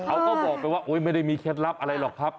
เขาก็บอกไปว่าไม่ได้มีเคล็ดลับอะไรหรอกครับ